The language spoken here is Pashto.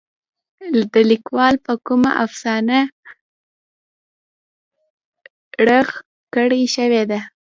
د ليکوال په کومه افسانه رغ کړے شوې ده.